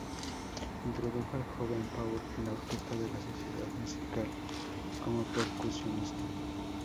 Introdujo al joven Paul en la orquesta de la sociedad musical como percusionista.